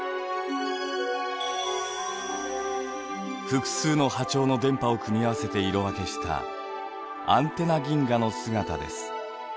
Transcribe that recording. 複数の波長の電波を組み合わせて色分けしたアンテナ銀河の姿です。